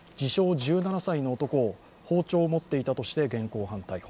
１７歳の男を包丁を持っていたとして現行犯逮捕。